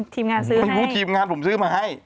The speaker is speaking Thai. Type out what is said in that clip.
ทีมงานซื้อมาให้เพราะว่าทีมงานผมซื้อมาให้